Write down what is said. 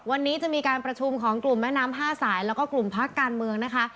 วันนี้จะมีการประชุมของกลุ่มแม่น้ำห้าสายแล้วก็กลุ่มพักการเมืองนะคะ